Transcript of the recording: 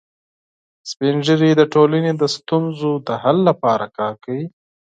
سپین ږیری د ټولنې د ستونزو د حل لپاره کار کوي